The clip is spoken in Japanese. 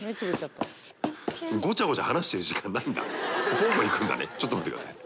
ぽんぽんいくんだねちょっと待ってください。